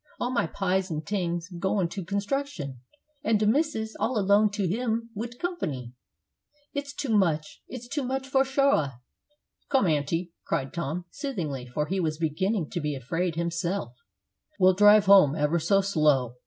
all my pies an' tings goin' to construction, an' de missus all alone to hum wid comp'ny! It's too much it's too much fo' shuah!" "Come, aunty," cried Tom, soothingly, for he was beginning to be afraid himself, "we'll drive home ever so slow.